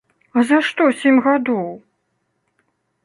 А за што сем гадоў?